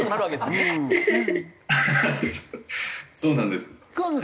はいそうなんです。